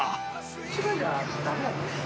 １枚じゃだめなんですか？